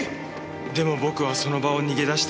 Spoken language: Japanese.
でも僕はその場を逃げ出した。